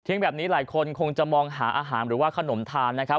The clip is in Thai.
แบบนี้หลายคนคงจะมองหาอาหารหรือว่าขนมทานนะครับ